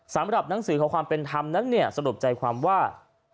สำหรับหนังสือขอความเป็นธรรมนั้นเนี่ยสรุปใจความว่า